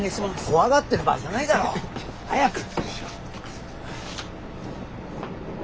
怖がってる場合じゃないだろう！早く！